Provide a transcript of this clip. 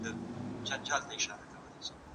دا هغه کتاب دی چي ما پرون واخیست.